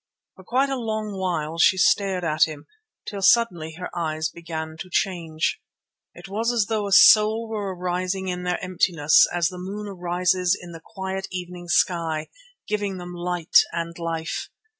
For quite a long while she stared at him, till suddenly her eyes began to change. It was as though a soul were arising in their emptiness as the moon arises in the quiet evening sky, giving them light and life.